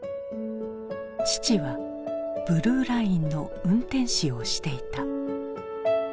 父はブルーラインの運転士をしていた。